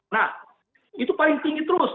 nah itu paling tinggi terus